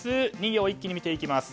２行一気に見ていきます。